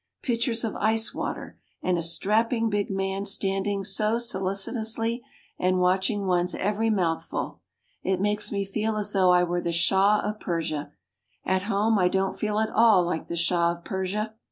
Pitchers of ice water and a strapping big man standing so solicitously and watching one's every mouthful. It makes me feel as though I were the Shah of Persia. At home I don't feel at all like the Shah of Persia.